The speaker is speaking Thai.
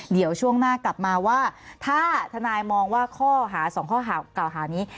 เดี๋ยวช่วงหน้ากลับมาว่าถ้าทนายมองว่าข้อหา๒ข้อหากล่าวหานี้